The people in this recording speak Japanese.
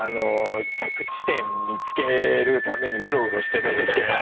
着地点見つけるためにうろうろしてるんですけども。